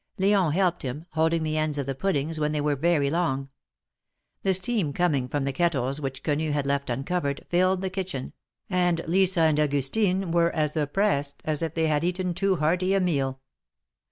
L4on helped him, holding the ends of the puddings when they were very long. The steam coming from the kettles which Quenu had left uncovered, filled the kitchen, and Lisa and Augustine were as oppressed as if they bad eaten too hearty a meal.